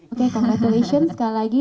oke congratulations sekali lagi